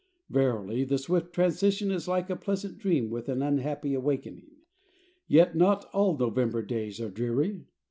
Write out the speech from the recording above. Verily, the swift transition is like a pleasant dream with an unhappy awakening. Yet not all November days are dreary.